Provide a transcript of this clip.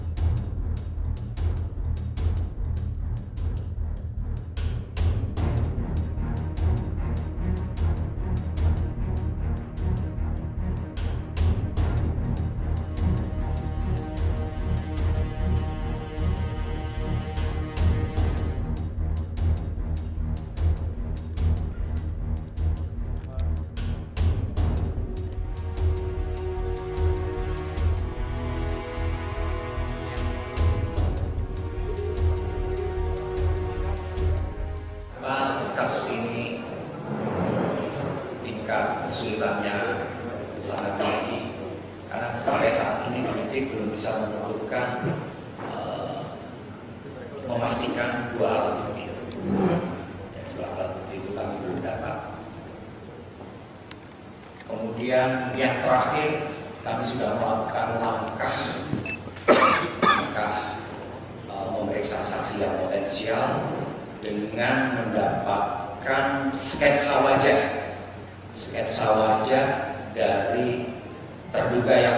jangan lupa like share dan subscribe ya